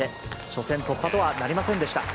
初戦突破とはなりませんでした。